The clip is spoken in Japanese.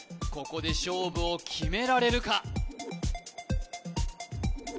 ここで勝負を決められるか？